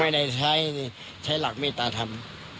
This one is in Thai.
ไม่ได้ใช้ใช้หลักเมตตาทำ